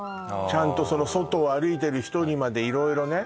ちゃんと外を歩いてる人にまで色々ね